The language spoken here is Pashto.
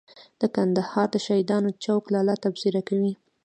د کندهار شهیدانو چوک لالا تبصره کوي.